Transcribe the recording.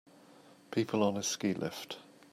People on a ski lift.